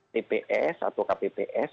tps atau kpps